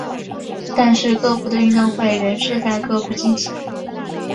但是各部的运动会仍是在各部进行。